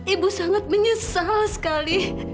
ibu sangat menyesal sekali